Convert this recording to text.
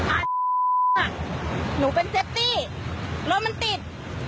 หนูเป็นเซฟตี้รถมันติด